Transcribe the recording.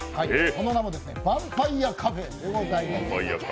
その名もヴァンパイアカフェでございます。